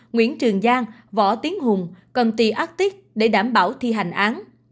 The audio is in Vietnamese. nguyễn trường giang võ tiến hùng công ty arctic để đảm bảo thi hành án